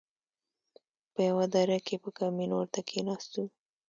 په يوه دره کښې په کمين ورته کښېناستو.